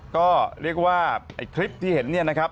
ก็เรียกว่าคลิปที่เห็นนะครับ